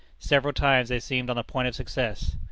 Several times they seemed on the point of success.